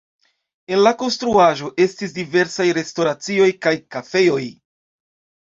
En la konstruaĵo estis diversaj restoracioj kaj kafejoj.